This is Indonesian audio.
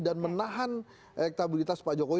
dan menahan elektabilitas pak jokowi